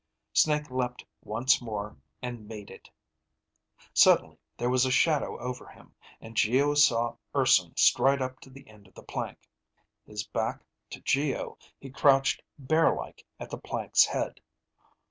Snake leapt once more and made it. Suddenly there was a shadow over him, and Geo saw Urson stride up to the end of the plank. His back to Geo, he crouched bear like at the plank's head.